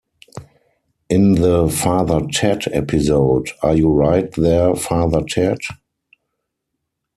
In the "Father Ted" episode "Are You Right There Father Ted?